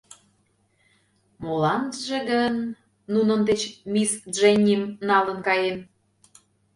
Моланже гын, нунын деч мисс Дженним налын каен.